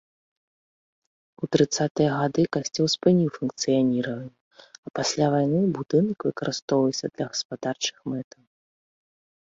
У трыццатыя гады касцёл спыніў функцыяніраванне, а пасля вайны будынак выкарыстоўваўся для гаспадарчых мэтаў.